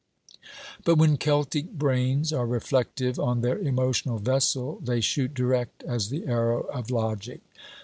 But when Celtic brains are reflective on their emotional vessel they shoot direct as the arrow of logic.